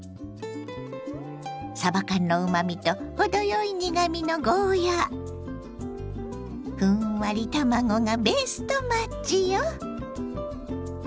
さば缶のうまみと程よい苦みのゴーヤーふんわり卵がベストマッチよ。